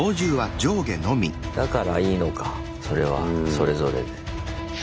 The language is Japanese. だからいいのかそれはそれぞれで。